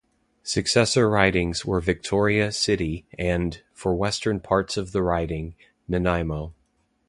Successor ridings were Victoria City and, for western parts of the riding, Nanaimo.